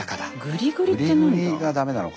グリグリがダメなのか。